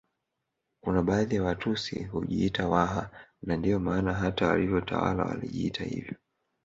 Kuna baadhi ya Watusi hujiita Waha na ndiyo maana hata walivyotawala walijiita hivyo